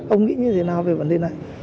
ông nghĩ như thế nào về vấn đề này